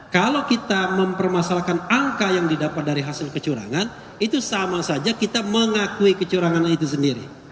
kalau kita mempermasalahkan angka yang didapat dari hasil kecurangan itu sama saja kita mengakui kecurangan itu sendiri